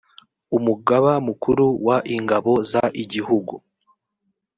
umugaba mukuru w ingabo z igihugu